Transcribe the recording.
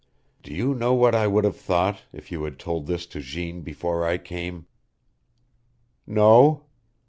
"Do you know what I would have thought, if you had told this to Jeanne before I came?" "No."